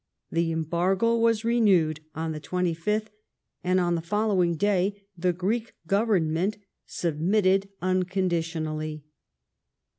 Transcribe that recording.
The embargo was renewed on the 25th, and on the following day the Greek Govern ment submitted unconditionally.